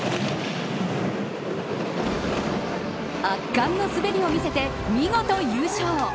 圧巻の滑りを見せて、見事優勝。